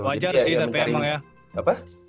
wajar sih tapi emang ya